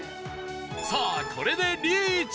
さあこれでリーチ！